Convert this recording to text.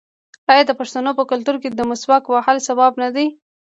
آیا د پښتنو په کلتور کې د مسواک وهل ثواب نه دی؟